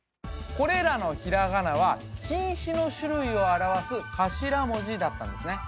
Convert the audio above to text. これらのひらがなは品詞の種類を表す頭文字だったんですね